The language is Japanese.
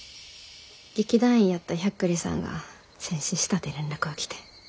劇団員やった百久利さんが戦死したて連絡が来て。